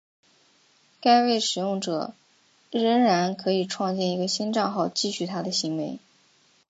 该位使用者仍然可以创建一个新帐号继续他的行为。